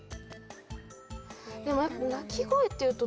でもやっぱなきごえっていうとね